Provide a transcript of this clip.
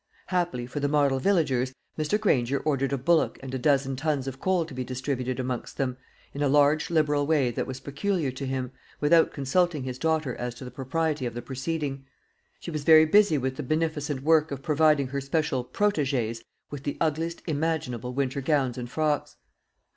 Happily for the model villagers, Mr. Granger ordered a bullock and a dozen tons of coal to be distributed amongst them, in a large liberal way that was peculiar to him, without consulting his daughter as to the propriety of the proceeding. She was very busy with the beneficent work of providing her special protégées with the ugliest imaginable winter gowns and frocks.